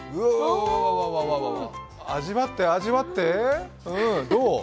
味わって、味わって。